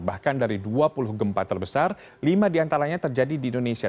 bahkan dari dua puluh gempa terbesar lima diantaranya terjadi di indonesia